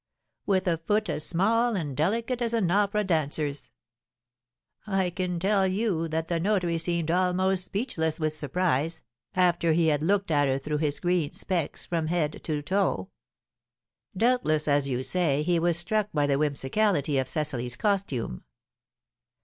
With a foot as small and delicate as an opera dancer's. I can tell you that the notary seemed almost speechless with surprise, after he had looked at her through his green specs from head to toe." "Doubtless, as you say, he was struck by the whimsicality of Cecily's costume."